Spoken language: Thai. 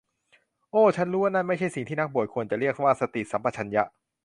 โอ้ ฉันรู้ว่านั่นไม่ใช่สิ่งที่นักบวชควรจะเรียกว่าสติสัมปชัญญะ